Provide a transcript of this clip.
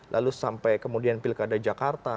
lalu sampai kemudian pilkada jakarta